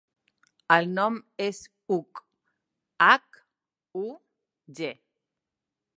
El nom és Hug: hac, u, ge.